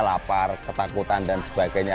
lapar ketakutan dan sebagainya